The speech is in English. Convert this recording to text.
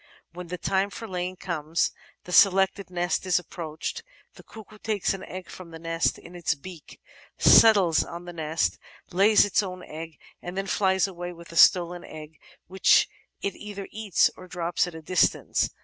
When the time for laying comes, the selected nest is approached, the cuckoo takes an egg from the nest in its beak, settles on the nest, lays its own egg> and then flies away with the stolen eggy which it either eats or drops at a distance.